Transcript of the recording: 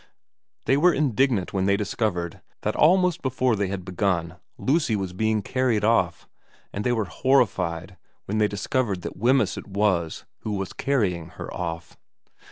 They were indignant when they dis covered that almost before they had begun Lucy was being carried off, but they were horrified when they discovered what Wemyss it was who was carrying her off.